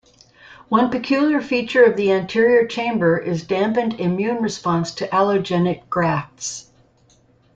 One peculiar feature of the anterior chamber is dampened immune response to allogenic grafts.